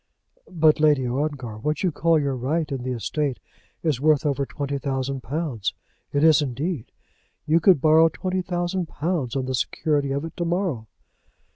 "But, Lady Ongar; what you call your right in the estate is worth over twenty thousand pounds. It is indeed. You could borrow twenty thousand pounds on the security of it to morrow."